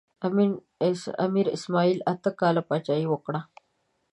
امیر اسماعیل اته کاله پاچاهي وکړه.